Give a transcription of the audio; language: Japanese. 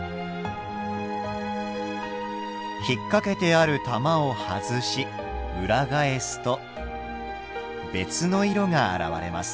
引っ掛けてある玉を外し裏返すと別の色が現れます。